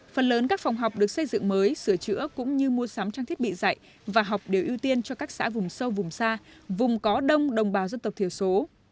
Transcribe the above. phần lớn các phòng học được xây dựng mới sửa chữa cũng như mua sắm trang thiết bị dạy và học đều ưu tiên cho các xã vùng sâu vùng xa vùng có đông đồng bào dân tộc thiểu số